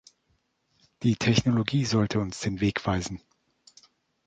Die Technologie sollte uns den Weg weisen.